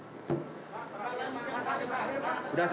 sudah ya sudah